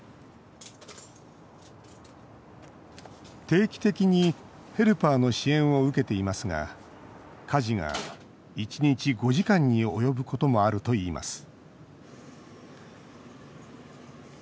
定期的にヘルパーの支援を受けていますが家事が１日５時間に及ぶこともあるといいます